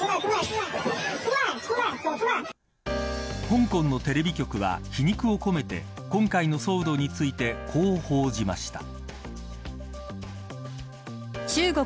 香港のテレビ局は皮肉を込めて今回の騒動についてこう報じました。